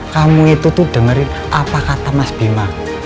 kamu itu tuh dengerin apa kata mas bima